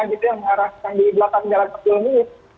nah itu yang mengarahkan di belakang jalan kaki ini